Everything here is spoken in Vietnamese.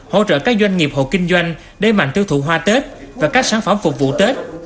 hỗ trợ các doanh nghiệp hộ kinh doanh đầy mạnh tiêu thụ hoa tết và các sản phẩm phục vụ tết